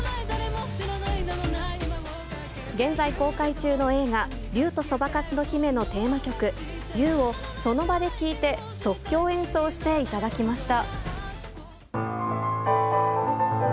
現在公開中の映画、竜とそばかすの姫のテーマ曲、Ｕを、その場で聴いて、即興演奏していただきました。